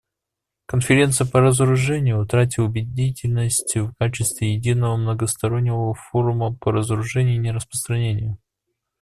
Конференция по разоружению утратила убедительность в качестве единого многостороннего форума по разоружению и нераспространению.